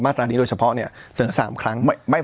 มาตรารายนี้โดยเฉพาะเสนอ